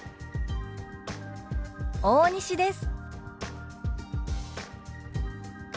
大西です」。